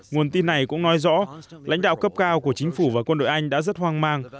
nguồn tin này cũng nói rõ lãnh đạo cấp cao của chính phủ và quân đội anh đã rất hoang mang